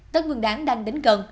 tết nguyên đáng đang đến gần